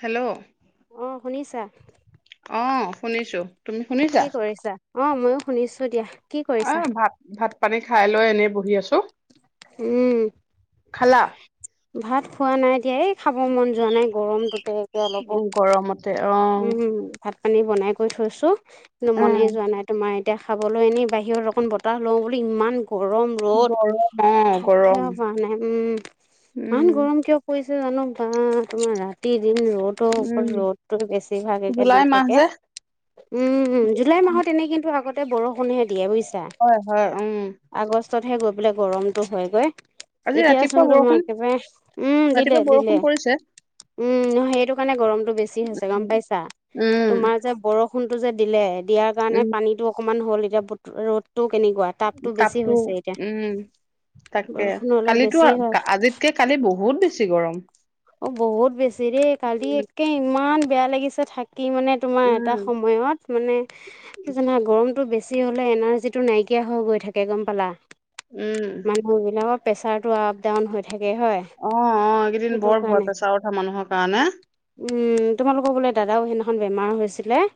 Hello? অ শুনিছা? অ শুনিছো। তুমি শুনিছা? কি কৰিছা? অ ময়ো শুনিছো দিয়া। কি কৰিছা অ' ভাত, ভাত পানী খাই লৈ এনেই বহি আছো। উম। খালা? ভাত খোৱা নাই দিয়া, এই খাব মন যোৱা নাই গৰমটোতে। একে অলপো উম, গৰমত। উম, ভাত পানী বনাই কৈ থৈছো, কিন্তু মনে উম যোৱা নাই তোমাৰ এতিয়া খাবলৈ, এনে বাহিৰৰ অকণ বতাহ লওঁ বুলি ইমান গৰম, ৰ'দ গৰম অ থাকিব গৰম পৰা নাই, উম, ইমান উম গৰম কিয় পৰিছে জানো বা তোমাৰ ৰাতি দিন ৰ'দৰ ওপৰত উম ৰ'দ। বেছি ভাগেকে দি জুলাই মাহ থাকে। যে উম, জুলাই মাহত এনেই কিন্তু আগতে বৰষুণহে দিয়ে বুইছা? হয়, হয়, উম। আগষ্টতহে গৈ পেলাই গৰমটো হয়গৈ। আজি এতিয়া ৰাতিপুৱা চোন তোমাৰ বৰষুণ একেবাৰে উম, দিলে, ৰাতিপুৱা বৰষুণ দিলে। পৰিছে উম, নহয় সেইটো কাৰণে গৰমতটো বেছি হৈছে গম পাইছা? উম তোমাৰ যে বৰ ষুণটো যে দিলে, দিয়াৰ উম কাৰণে পানীতটো অকণমান হ'ল এতিয়া বুট ৰ'দটো কেনেকুৱা? তাপটো বেছি কাপো, হৈছে এতিয়া উম, তাকে, বৰষুণ হলে কালিতো বেছি হয় আজিতকে কালি বহুত বেছি গৰম। অ', বহুত বেছি দেই কালি উম একে ইমান বেয়া লাগিছে থাকি মানে তোমাৰ এটা উম সময়ত, মানে, তোমাৰ গৰমটো বেছি বেছি হ'লে এনাৰ্জি টো নাইকিয়া হৈ গৈ থাকে গম পালা? উম। মানুহবিলাকৰ প্ৰেছাৰটো আপ ডাউন হৈ থাকে হয়। অ', অ', এইকেইদিন সেইটো বৰ ভয় কাৰণে পেছাৰ উঠা মানুহৰ কাৰণে। উম, তোমালোকৰ বোলে দাদাও সেইদিনাখন বেমাৰ হৈছিলে?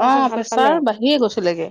তাৰপিছত অ', ভাল পালে প্ৰেছাৰ বহিয়েই গৈছিলেগে।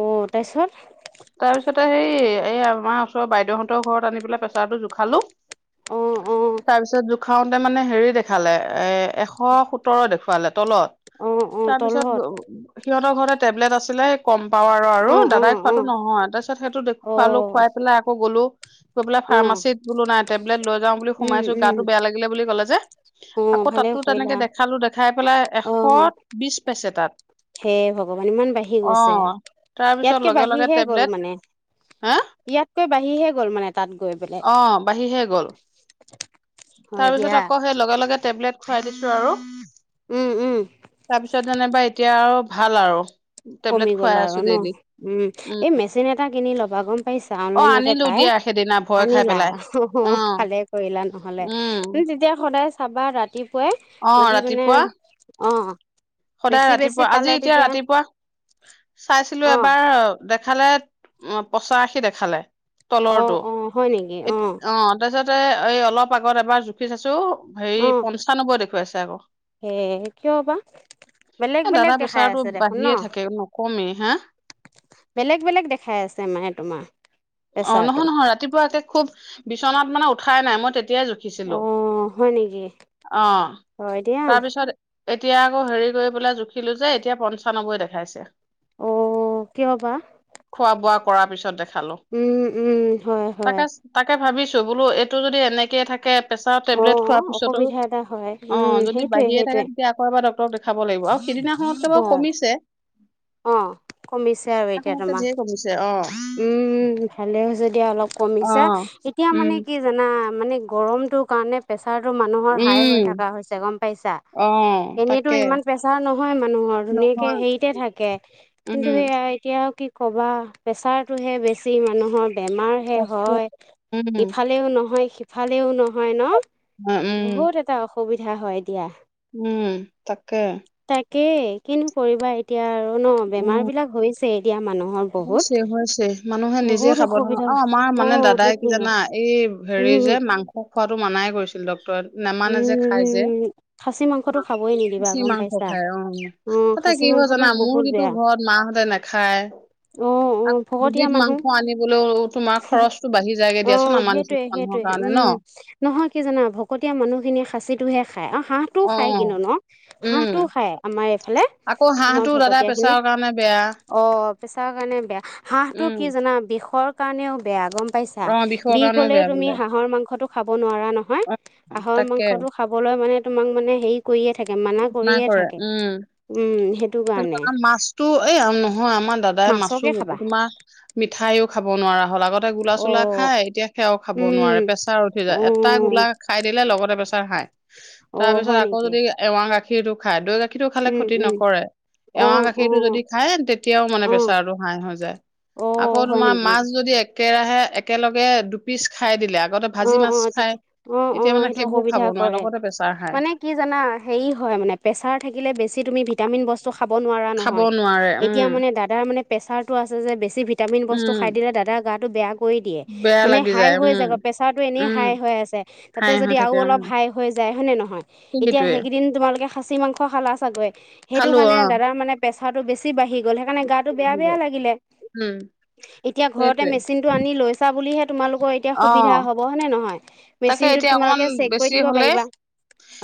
অ', তাৰপিছত? তাৰপিছতে হেৰি এই আমাৰ ওচৰৰ বাইদেউহঁতৰ ঘৰত আনি পেলাই প্ৰেছাৰটো জোখালো অ অ তাৰ পিছত জোখাওত তে মানে হেৰি দেখালে, এ-এশ সোতৰ দেখুৱালে তলত। অ অ তাৰ পিছত তলত সিহঁতৰ ঘৰতে টেবলেট আছিলে কম পাৱাৰ আৰু, অ অ দাদাই খোৱা অ নহয়, তাৰপিছত সেইটো অ দেখুৱালো খোৱাই পেলাই আকৌ গ'লো গৈ পেলাই অ ফাৰ্মাচিতত বোলো নাই টেবলেট লৈ যাওঁ বুলি উম সোমাইছো উম গাটো বেয়া লাগিলে বুলি ক'লে যে। অ আকৌ ভালে তাতো কৰিলা তেনেকে দেখালো, দেখাই পেলাই এশ অ বিছ পাইছে তাত। হে ভগৱান ইমান বাঢ়ি গৈছে, অ', তাৰপিছত ইয়াতকে লগে লগে বাঢ়িহে গ'ল টেবলেট মানে, হা ইয়াতকৈ বাঢ়িহে গ'ল মানে তাত গৈ পেলাই। হয় তাৰ দিয়া পিছত আকৌ সেই লগে লগে টেবলেট খুৱাই দিছো আৰু। উম উম তাৰপিছত যেনিবা এতিয়া আৰু ভাল আৰু। টেবলেট কমি খুৱাই গ'ল আৰু আছো ন? ডেইলি। উম, এই মেচিন এটা কিনি ল'বা, গম পাইছা? অ', অনলাইনতে আনিলো দিয়া পাই। সেইদিনা ভয় খাই আনিলা পেলাই। অ', ভালে কৰিলা নহ'লে, উম, তুমি তেতিয়া সদায় চাবা ৰাতি পুৱাই, অ', যদি মানে ৰাতিপুৱা অ' সদায় বেছি বেছি ৰাতিপুৱা, পালে আজি এতিয়া তেতিয়া ৰাতিপুৱা চাইছিলো অ এবাৰ, দেখালে পচাশী দেখালে। অ', অ'। হয় নেকি অ এত-অ', তাৰপিছতে এই অলপ আগত এবাৰ জুখি চাইছো হেৰি প পঞ্চানবৈ দেখুৱাইছে আকৌ। সেই কিয় বা- বেলেগ এ দাদা বেলেগ দেখাই প্ৰেছাৰটো আছে দেখোন ন? বাঢ়িয়ে থাকে নকমেই হা। বেলেগ বেলেগ দেখাই আছে মানে তোমাৰ- অ', প্ৰেচাৰটো নহয়-নহয় ৰাতিপুৱা একে খুব বিচনাত মানে উঠাই নাই, মই তেতিয়াই অ দেখিছিলো। হয় নেকি অঁ', হয় দিয়া তাৰপিছত- এতিয়া আকৌ হেৰি কৰি পেলাই জুখিলো যে এতিয়া পঞ্চান্নব্বৈ দেখাইছে। অ', -কিয় বা? খোৱা-বোৱা কৰাৰ পিছত দেখালো। উমঁ-উমঁ। তাকে-তাকে ভাবিছো বোলো এইটো যদি এনেকে থাকে- প্ৰেছাৰৰ অ টেবলেট খোৱাৰ পিছতো আৰু, অসুবিধা এটা হয় উম অঁ', যদি সেইটোৱে বাঢ়িয়ে থাকে সেইটোৱে তেতিয়া আকৌ এবাৰ- ডক্তৰক দেখাব লাগিব, আৰু সিদিনাখনতকে বাৰু হয় কমিছে। অ কমিছে সিদিনাখনতকে জিয়ে কমিছে অঁ',। উমঁ, ভালে হৈছে দিয়া অলপ অ কমিছে। এতিয়া মানে উম কি জানা, মানে গৰমটো কাৰণে প্ৰেছাৰটো মানুহৰ হাই হৈ উম থকা হৈছে গম পাইছা। অ এনেইতো তাকে ইমান প্ৰেছাৰ নহয় মানুহৰ ধুনীয়াকে নহয় হেৰিতে থাকে, কিন্তু উম সেয়া- এতিয়া কি ক'বা প্ৰেছাৰটোহে বেছি মানুহৰ। বেমাৰ'হে তাকে হয়। উম ইফালেও নহয়, সিফালেও নহয় ন'। উম বহুত এটা অসুবিধা হয় দিয়া। উমঁ, তাকে। তাকে কিনো কৰিবা এতিয়া আৰু ন' বেমাৰ বিলাক হৈছে এতিয়া মানুহৰ। বহুত হৈছে-হৈছে। মানুহে নিজে বহুত খাব ন' অসুবিধা অঁ', -আমাৰ অ মানে দাদাই কি সেইটোৱে জানা এই হেৰি যে উম মাংস- খোৱাটো মানাই কৰিছিল ডক্তৰে নামানে যে খাই যে। উম খাচী মাংসটো খাবই নিদিবা খাচি গম মাংস পাইছা খাই অঁ',। অ তা'তে খাচী কি হয় মাংসটো জানা মোৰ বহুত বেয়া কিন্ত ঘৰত মাহঁতে ন'- নেখাই। অ অ ভকতীয়া দুবিধ মানুহ মাংস আনিবলৈও তোমাৰ খৰচটো বাঢ়ি যায়গে দিয়াচোন আমাৰ নিচিনা মানুহৰ সেইটোৱে-সেইটোৱে, কাৰণে ন উমঁ। নহয়, কি জানা ভকতীয়া মানুহ খিনিয়ে খাচিটোহে খাই, আৰু হাঁহ- টো অ খাই কিন্তু ন' উম হাঁহটো খাই আমাৰ এইফালে আকৌ তোমাৰ হাঁহটো দাদা ভকতীয়া খিনিয়ে। প্ৰেছাৰৰ কাৰণে বেয়া অ', -প্ৰেছাৰৰ কাৰণে বেয়া। হাঁহটো উম কি জাননা বিষৰ- কাৰণেও বেয়া গম পাইছা, অ বিষৰ বিষ কাৰণেও বেয়া হ'লেও বোলে তুমি হাঁহৰ মাংসটো খাব নোৱাৰা নহয়। অ হাঁহৰ তাকে মাংসটো খাবলৈ মানে তোমাক মানে হেৰি কৰিয়ে থাকে মানা কৰিয়ে কৰে থাকে। উম উমঁ, সেই- সেইটো কথা, মাছতো এই নহয় আমাৰ দাদাই মাছো মাছকে খাবা তোমাৰ- মিঠাইয়ও খাব নোৱাৰা হ'ল। আগ- তে অ গোলা-চোলা খায়, এতিয়া সেয়াও খাব নোৱাৰে উম প্ৰেছাৰ উঠি অ যায় এটা গোলা খাই দিলে লগতে প্ৰেছাৰ হায়। [inaudible] তাৰপিছত আকৌ নেকি যদি এৱা গাখীৰটো খাই দৈ গাখীৰটো খালে উম ক্ষতি উম নকৰে। অ এৱা গাখীৰটো অ যদি খায় তেতিয়াও মানে অ প্ৰেছাৰটো হাই হৈ অ যায়। আকৌ হয় তোমাৰ নেকি মাছ- যদি একেৰাহে একেলগে দু- পিচ খাই দিলে, আগতে অ ভাজি অ মাছ খাই তেতিয়া অ অ এতিয়া মানে সেইটো সেইবোৰ অসুবিধা খাব নোৱাৰে কৰে লগতে প্ৰেছাৰ হাই। মানে কি জানা, হেৰি হয় মানে প্ৰেছাৰ থাকিলে বেছি তুমি ভিটামিন বস্তু- খাব নোৱাৰা খাব নহয়। নোৱাৰে উম এতিয়া মানে দাদাৰ মানে প্ৰেচাৰটো আছে যে বেছি ভি- টামিন বস্তু উম খাই দিলে দাদাৰ গাটো বেয়া কৰি দিয়ে বেয়া মানে লাগি হাই যায়, হৈ উম। যাই গৈ। প্ৰেচাৰটো এনেই উম, হাই হৈ আছে, তা'তে হাই হৈ যদি আৰু থাকে, উম। অলপ হাই হৈ যাই হয় নে নহয়। সেইটোৱে, কিন্ত তোমালোকে খাচী মাংখ খালা চাগৈ খালো সেইটোকাৰণে অ', দাদা মানে- প্ৰেচাৰটো বেছি বাৰি গ'ল সেইকাৰণে গাটো বেয়া-বেয়া লাগিলে। উম, এতিয়া ঘৰতে সেইটোৱে। মেচিন- আনি লৈছা বুলিহে তোমালোকৰ এতিয়াৰ সুবিধা অ', হ'ব হয় নে নহয়। তাকে মেচিনটোত এতিয়া অকমান তোমালোকে চেক কৰি বেছি থাকিব হ'লে পাৰিবা।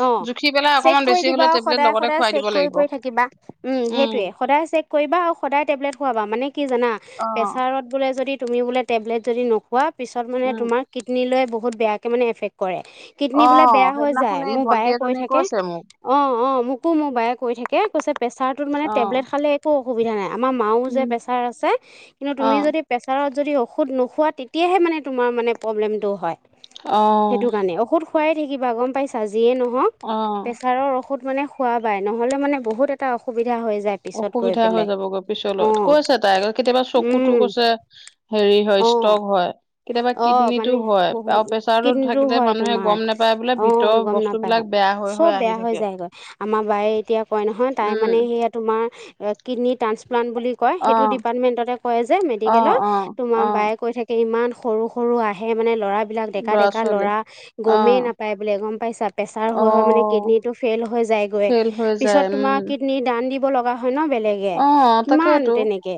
অ', জুখি পেলাই চেক অকমান কৰি বেছি দিবা হ'লে টেবলেট সদায় লগতে সদায় খুৱাই চেক দিব কৰি লাগিব। কৰি থাকিবা উম, সেইটোয়ে সদায় চেক কৰিবা আৰু সদায় টেবলেট খোৱাবা মানে কি জানা, অ', প্ৰেছাৰত বোলে যদি তুমি বোলে টেবলেট যদি নোখোৱা পিছত মানে উম। তোমাৰ কিডনী লৈ বহুত বেয়াকৈ মানে এফেক্ট কৰে। কিডনী বোলে অ', বেয়া হৈ সেইদিনাখন যায় এই মোৰ ভন্টি বায়ে কৈ এজনী থাকে। কৈছে মোক, অহ, অহ, মোকো মোৰ বায়ে কৈ থাকে, কৈছে প্ৰেচাৰটোত মানে অ', টেবলেট খালে একো অসুবিধা নাই আমাৰ মাও যে, উম, প্ৰেছাৰ আছে কিন্তু তুমি অ', যদি প্ৰেছাৰত যদি ঔষধ নোখোৱা তেতিয়াহে মানে তোমাৰ মানে প্ৰব্লেমটো হয়। সেইটো অ', কাৰণে ঔষধ খোৱাই থাকিবা গ'ম পাইছা, যিয়ে নহওক অ'। প্ৰেছাৰৰ ঔষধ মানে খোৱা বাই নহ'লে মানে বহুত এটা অসুবিধা হৈ যায়। পিছত গৈ অসুবিধা হৈ পেলাই যাবগৈ পিছলৈ, অঁ কৈছে তাই কেতিয়াবা চকুতো কৈছে। হেৰি হয় অঁ ষ্ট্ৰক হয়, কেতিয়াবা অ কিডনী টো মানে হয়, আৰু প্ৰেচাৰতো থাকিলে মানুহে গ'ম নেপায়। অহ, গ'ম নাপায় চব আহি বেয়া হৈ থাকে যায়গৈ, আমাৰ বায়ে এতিয়া কয় নহয় তাই মানে উম সেইয়াত তোমাৰ কিডনী ট্ৰাসপ্লাণ্ট বুলি কয়, অ সেইটো ডিপাৰ্টমেণ্টতে কৰে যে অ মেডিকেলত। অ তোমাৰ অ বায়ে কৈ থাকে ইমান সৰু সৰু আহে মানে ল'ৰাবিলাক ডেকা ডেকা ল'ৰা। অ গ'মেই নাপায় বোলে গ'ম পাইছা, প্ৰেছাৰ অ হৈ হৈ মানে কিডনী টো ফেইল হৈ যায়গৈ। ফেইল হৈ যায় পিছত উম তোমাৰ কিডনী দান দিব লগা হয় ন' বেলেগে। অ কিমান তাকেইতো তেনেকে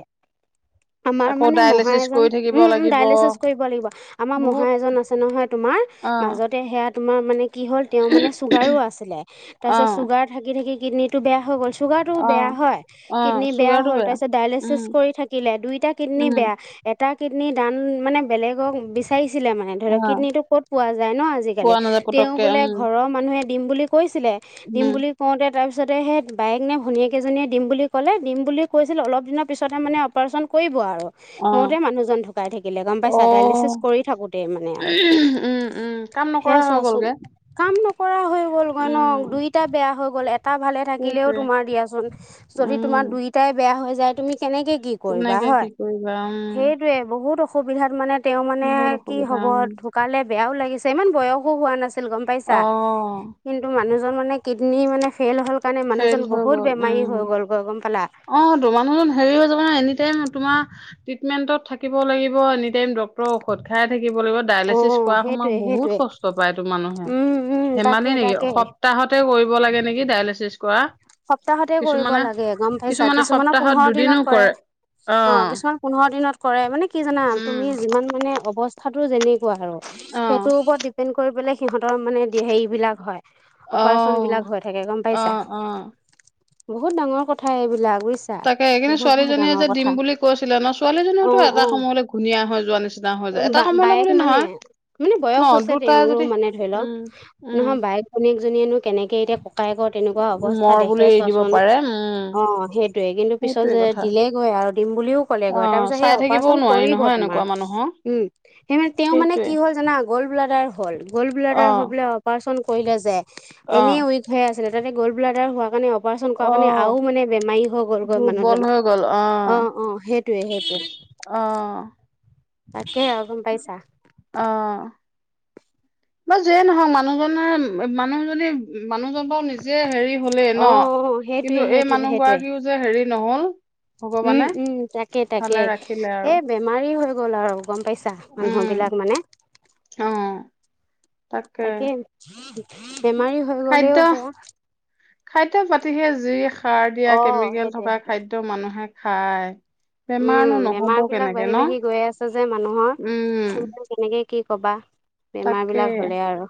আমাৰ আকৌ মানে মহা ডায়েলিচিছ এজন কৰি থাকিব উম, উম, লাগিব ডাইলেচেছ কৰিব লাগিব আমাৰ মহা বহুত এজন আছে নহয় তোমাৰ। অ মাজতে সেয়াত তোমাৰ মানে কি হ'ল তেওঁ মানে চুগাৰো আছিলে, অ তাৰপিছত চুগাৰ থাকি থাকি কিডনীটো বেয়া হৈ গ'ল। চুগাৰ টো অ বেয়া হয়, অ কিডনী বেয়া চুগাৰটো হ'ল তাৰপিছত ডায়লিচিছ উম কৰি থাকিলে দুইটা কিডনী উম বেয়া। এটা কিডনী দান মানে বেলেগক বিচাৰিছিলে মানে ধৰি ল' অ কিডনীটো ক'ত পোৱা যায় ন' আজিকালি পোৱা নাযায় তেওঁ পতককে বোলে উম ঘৰৰ মানুহে দিম বুলি কৈছিলে, দিম উম বুলি কওঁতে তাৰপিছতে সেই বায়েক নে ভনীয়েকেইজনীয়ে দিম বুলি ক'লে দিম বুলি কৈছিল অলপ দিনৰ পিছতহে মানে অপাৰেচন কৰিব আৰু। অ কৰোঁতেই মানুহজন ঢুকাই থাকিলে গ'ম অ পাইছা, ডাইলিচিছ কৰি থাকোতেই মানে আৰু। উম উম কাম সেয়া নকৰা হৈ চোৱাচোন গ'লগে। কাম নকৰা হৈ ন' উম দুইটা বেয়া হৈ গ'ল, এটা ভালে থাকিলেও সেইটোৱে তোমাৰ দিয়াচোন যদি উম তোমাৰ দুই দুইটাই বেয়া হৈ যায় তুমি কেনেকে কি কৰিবা কেনেকে কি হয়। কৰিবা উম। সেইটোয়ে বহুত অসুবিধাত মানে তেওঁ মানে বহুত কি অসুবিধা হ'ব। উম ঢুকালে বেয়াও লাগিছে ইমান বয়সো হোৱা নাছিল গ'ম পাইছা! অ কিন্তু মানুহজন মানে কিডনী মানে ফেইল হ'ল কাৰণে ফেইল মানুহজন হৈ বহুত গ'ল বেমাৰী উম হৈ গ'ল গৈ গ'ম পালা! অ', তো মানুহজন হেৰি হৈ যাব ন' এনি টাইম তোমাৰ ট্ৰিটমেন্টত থাকিব লাগিব, এনিটাইম ডক্টৰৰ ঔষধ খাই থাকিব লাগিব। অ ডায়লেচিছ কৰা সেইটোৱে সময়ত বহুত সেইটোৱে কষ্ট পায় টো মানুহে, উম উম তাকে ধেমালি নেকি তাকে সপ সপ্তাহতে কৰিব লাগে নেকি ডায়েলেচিছ কৰা? সপ্তাহতে কৰিব কিছুমানে লাগে গ'ম পাইছা, কিছুমানে কিছুমানৰ সপ্তাহত পোন্ধৰ দুদিনো দিনত কৰে অ', কিছুমান পোন্ধৰ দিনত কৰে মানে কি জানা উম। তুমি যিমান মানে অৱস্থাতো যেনে কোৱা আৰু অ', সেইটোৰ ওপৰত ডিপেণ্ড কৰি পেলাই সিহঁতৰ মানে হেৰিবিলাক হয়। অপাৰেচন অ', বিলাক হৈ থাকে গ'ম পাইছা? অ', অ'। বহুত ডাঙৰ কথা এইবিলাক বুজিছা। তাকে কিন্ত বহুত বহুত ছোৱালীজনীয়ে ডাঙৰ যে দিম কথা বুলি কৈছিলে ন' ছোৱালীজনীওতো এটা সময়লৈ ঘূনীয়া হৈ যোৱা নিছিনা। বা-বায়েক মানে, মানে ন বয়স হৈছে দুটাই তেওঁৰো যদি মানে ধৰি লওঁক, উম, উম, নহয় বায়েক ভনীয়েক জনীয়েনো কেনেকে এতিয়া ককায়েকৰ তেনেকুৱা অৱস্থা মৰ দেখে বুলি এৰি দিব চোৱাচোন। পাৰে উম। অহ, সেই সেইটোৱে কিন্তু পিছত সেইটোৱে যে কথা দিলেগৈ আৰু দিম বুলিও ক'লেগৈ, অ', তাৰপিছত সেই চাই থাকিবও অপাৰেচন নোৱাৰি কৰিব নহয় তোমাৰ। এনেকুৱা মানুহক উম, সেই তেওঁ মানে সেইটোৱে। কি হ'ল জানা! গ'ল্ড ব্লাডাৰ হ'ল। গ'ল্ড ব্লাডাৰ হৈ অ', বোলে অপাৰচন কৰিলে যে এনেই অ', উইক হৈ আছিলে তাতে গ'ল্ ব্লডাৰ হোৱাৰ কাৰণে অপাৰচন কৰা কাৰণে অ', আৰু মানে বেমাৰী হৈ গ'ল গৈ দুৰ্বল মানুহজন। হৈ গ'ল অহ', অহ' সেইটোৱে সেইটোৱে। অহ। তাকে আৰু গম পাইচা। অহ। বা যিয়ে নহওঁক মানুহজনৰ-মানুহজনী মানুহজন বাৰু নিজে হেৰি হলেই অ ন' অ সেইটোৱে কিন্তু এই সেইটোৱে মানুহ সেইটোৱে গৰাকীও যে হেৰি নহ'ল ভগৱানে উম', উম' তাকে ভালে তাকে। ৰাখিলে আৰু এই বেমাৰী হৈ গ'ল আৰু। গম পাইছা উম মানুহবিলাক মানে, অ তাকে। বেমাৰী হৈ খাদ্য গ'লেও বহুত খাদ্য পাতিহে যি সাৰ দিয়া, অ কেমিকেল সেইটোৱে থকা সেইটোৱে খাদ্য মানুহে খায়। বেমাৰনো উম, নহব বেমাৰবিলাক কেনেকে ন বাঢ়ি-বাঢ়ি গৈ আছে যে মানুহৰ। উম কেনেকে কি কবা তাকে বেমাৰবিলাক হ'লে আৰু।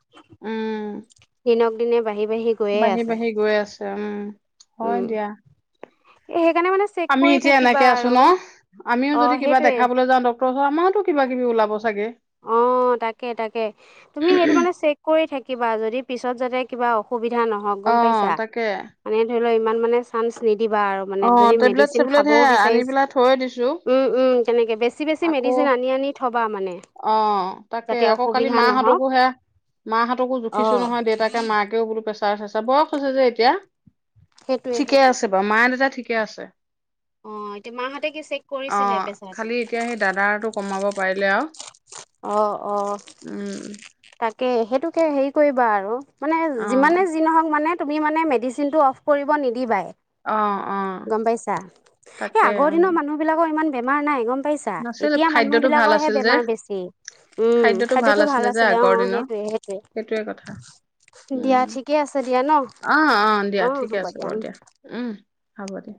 দিনক দিনে বাঢ়ি-বাঢ়ি বাঢ়ি-বাঢ়ি গৈ আছে উম, হয় উম দিয়া। এ সেইকাৰণে মানে চেক আমি কৰি এতিয়া থাকিবা এনেকে আছো আৰু ন'। আমিও অ যদি কিবা সেইটোৱে দেখাবলৈ যাওঁ ডক্তৰৰ ওচৰত, আমাৰতো কিবা-কিবি ওলাব চাগে। অহ, তাকে-তাকে, তুমি সেইটো কাৰণে চেক কৰি থাকিবা যদি পিছত যাতে কিবা অসুবিধা নহওকঁ, অ গম পাইছা। তাকে মানে ধৰিলোও ইমান মানে চান্স নিদিবা আৰু। অ মানে যদি টেবলেট মেডিচিন চেবলেট সে খাবও আনি বিচাৰিছে। পেলাই থৈ দিছো উম', উম'। তেনেকে বেছি-বেছি মেডিচিন আনি-আনি থ'বা মানে। অহ। তাকে যাতে আকৌ কালি অসুবিধা নহওক মাহঁতকো সেয়া, মাহঁতকো অ জুখিছো নহয়, দেউতাকে মাকেও বোলো পেচা বয়স হৈছে যে এতিয়া, সেইটোৱে ঠিকে সেইটোৱে আছে বাৰু মা-দেউতা ঠিকে আছে। অহ, এতিয়া মাহঁতে কি চেক অ কৰিছিলে প্ৰেচাৰটো? খালি এতিয়া সেই দাদাৰটো কমাব পাৰিলে আৰু। অহ', অহ'। উম। তাকে সেইটোকে হেৰি কৰিবা আৰু মানে অ যিমানে যি নহওঁক মানে তুমি মানে মেডিচিনটো অফ কৰিব নিদিবাই। অহ', অহ'। গম পাইছা। এই আগৰ দিনৰ মানুহবিলাকৰ ইমান বেমাৰ নাই গম পাইছা। নাছিল এতিয়া খাদ্যটো ভাল মানুহবিলাকৰ হে আছিল যে বেমাৰ বেছি, উম খাদ্যটো খাদ্যতো ভাল যে আছিলে অহ', আগৰ অহ' দিনৰ সেইটোৱে সেই সেইটোৱে কথা। উম', ঠিকে আছে দিয়া ন অহ', অহ' দিয়া অ হ'ব ঠিকে আছে বাৰু উম দিয়া। উম, হ'ব দিয়া।